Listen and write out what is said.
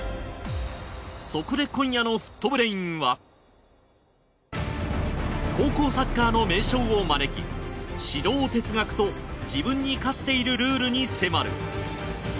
そこで高校サッカーの名将を招き指導哲学と自分に課しているルールに迫る。